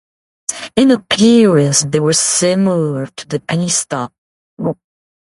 In appearance they were similar to the B Stock.